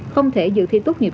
không thể dự thi tốt nghiệp